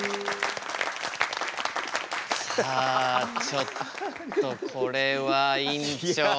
さあちょっとこれは院長。